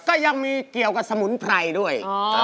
ก็ยังมีเกี่ยวกับสมุนไพรด้วย